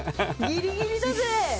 ギリギリだぜ！